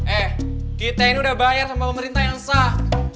eh kita ini udah bayar sama pemerintah yang sah